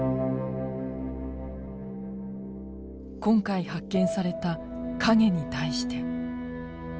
今回発見された「影に対して」。